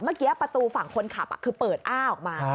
เมื่อกี้ประตูฝั่งคนขับคือเปิดอ้าออกมา